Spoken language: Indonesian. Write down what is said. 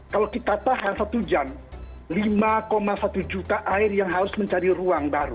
kalau kita tahan satu jam lima satu juta air yang harus mencari ruang baru